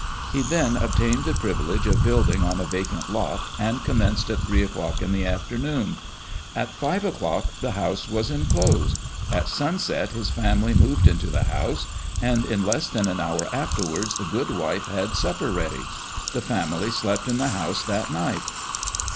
He then obtained the privilege of building on a vacant lot, and com menced at three o'clock in the afternoon. At five o'clock the house was enclosed. At sunset his family moved into the house ; and in less than an hour afterwards the good wife had sup per ready. The family slept in the house that night.